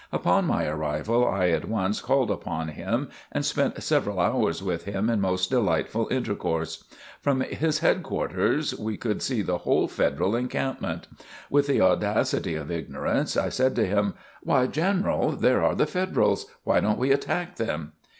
Upon my arrival I at once called upon him and spent several hours with him in most delightful intercourse. From his headquarters we could see the whole Federal encampment. With the audacity of ignorance, I said to him: "Why, General, there are the Federals! why don't we attack them?"